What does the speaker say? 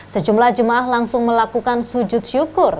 sejumlah jemaah langsung melakukan sujud syukur